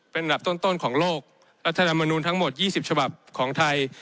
เป็นอันดับต้นของโลกรัฐธรรมนุนทั้งหมด๒๐ฉบับของไทย